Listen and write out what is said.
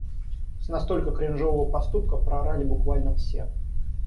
С настолько кринжового поступка проорали буквально все.